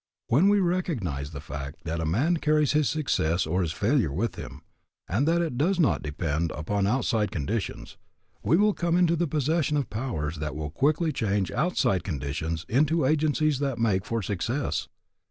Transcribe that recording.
When we recognize the fact that a man carries his success or his failure with him, and that it does not depend upon outside conditions, we will come into the possession of powers that will quickly change outside conditions into agencies that make for success.